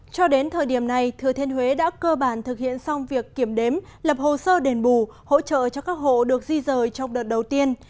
cho đến thời điểm này thừa thiên huế đã cơ bản thực hiện xong việc kiểm đếm lập hồ sơ đền bù hỗ trợ cho các hộ được di rời trong đợt đầu tiên